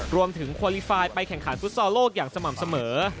รวมถึงโคลิไฟล์ไปแข่งขันฟุตซอลโลกอย่างสม่ำเสมอ